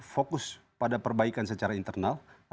fokus pada perbaikan secara internal